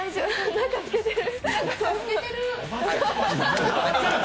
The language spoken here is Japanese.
中、透けてる！